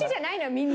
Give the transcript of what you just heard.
みんな。